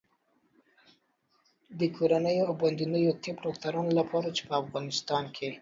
کورنیو او باندنیو طب ډاکټرانو لپاره چې په افغانستان